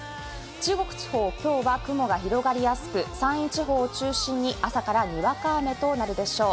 中国地方、今日は雲が広がりやすく山陰地方を中心に朝からにわか雨となるでしょう。